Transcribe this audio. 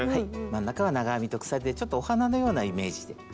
真ん中は長編みと鎖でちょっとお花のようなイメージで。